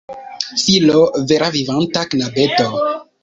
Filo! Vera vivanta knabeto!